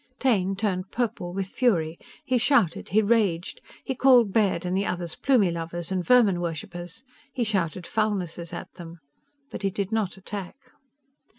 Taine turned purple with fury. He shouted. He raged. He called Baird and the others Plumie lovers and vermin worshipers. He shouted foulnesses at them. But he did not attack.